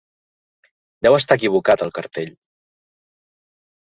Deu estar equivocat el cartell.